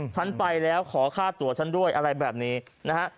ฉันไปแล้วขอฆ่าตัวฉันด้วยอะไรแบบนี้นะฮะ